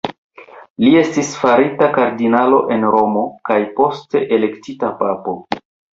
Li estis farita kardinalo en Romo, kaj poste elektita papo.